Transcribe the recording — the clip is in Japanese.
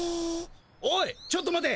おいちょっと待て。